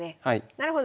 なるほど。